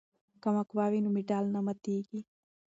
که مقوا وي نو ماډل نه ماتیږي.